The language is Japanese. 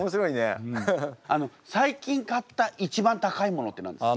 最近買ったいちばん高いものって何ですか？